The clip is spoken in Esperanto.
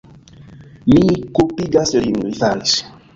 Mi kulpigas lin... li faris!